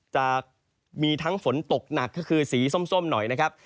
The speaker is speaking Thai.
จะมีทั้งฝนตกหนักก็คือสีส้มหน่อยนะครับ